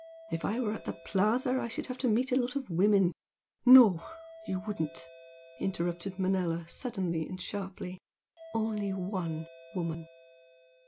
If I were at the 'Plaza' I should have to meet a lot of women " "No, you wouldn't," interrupted Manella, suddenly and sharply "only one woman."